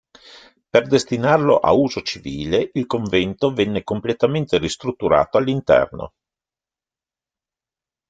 Per destinarlo a uso civile, il convento venne completamente ristrutturato all'interno.